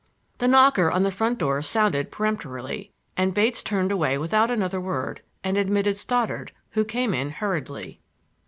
The knocker on the front door sounded peremptorily, and Bates turned away without another word, and admitted Stoddard, who came in hurriedly.